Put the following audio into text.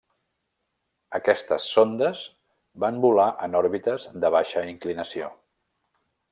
Aquestes sondes van volar en òrbites de baixa inclinació.